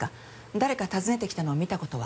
誰か訪ねてきたのを見た事は？